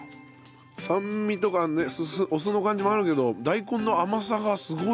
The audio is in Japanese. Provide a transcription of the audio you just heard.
酸味とかねお酢の感じもあるけど大根の甘さがすごい。